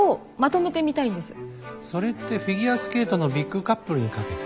それってフィギュアスケートのビッグカップルにかけて？